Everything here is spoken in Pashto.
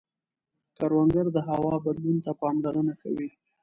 کروندګر د هوا بدلون ته پاملرنه کوي